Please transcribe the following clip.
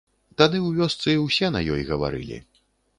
Тады ў вёсцы ўсе на ёй гаварылі.